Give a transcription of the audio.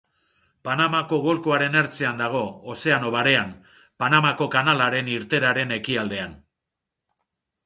Panamako golkoaren ertzean dago, Ozeano Barean, Panamako kanalaren irteeraren ekialdean.